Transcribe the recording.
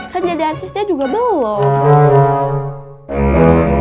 kan jadi artisnya juga belum